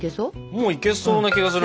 もういけそうな気がするな。